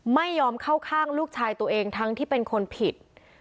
ไม่ยอมเข้าข้างลูกชายตัวเองทั้งที่เป็นคนผิด